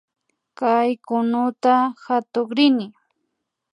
Kay kunuta katukrini